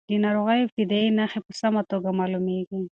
د ناروغۍ ابتدايي نښې په سمه توګه معلومېږي.